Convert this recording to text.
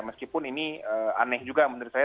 meskipun ini aneh juga menurut saya